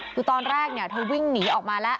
คือตอนแรกเธอวิ่งหนีออกมาแล้ว